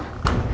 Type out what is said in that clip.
oke terima kasih